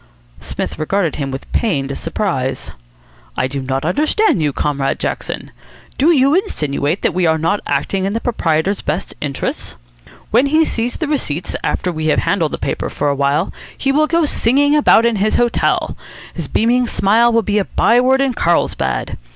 Psmith regarded him with pained surprise. "I do not understand you, Comrade Jackson. Do you insinuate that we are not acting in the proprietor's best interests? When he sees the receipts, after we have handled the paper for a while, he will go singing about his hotel. His beaming smile will be a by word in Carlsbad.